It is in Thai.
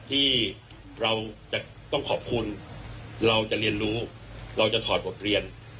ที่เราจะต้องขอบคุณเราจะเรียนรู้เราจะถอดบทเรียน